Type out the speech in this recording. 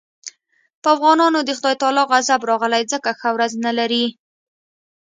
په افغانانو د خدای تعالی غضب راغلی ځکه ښه ورځ نه لري.